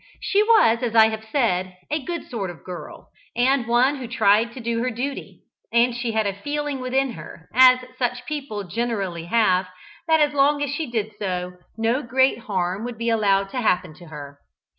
She was, as I have said, a good sort of girl, and one who tried to do her duty; and she had a feeling within her (as such people generally have) that as long as she did so, no great harm would be allowed to happen to her.